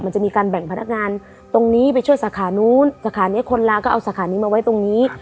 มันจะมีการแบ่งพนักงานตรงนี้ไปช่วยสาขานู้นสาขานี้คนลาก็เอาสาขานี้มาไว้ตรงนี้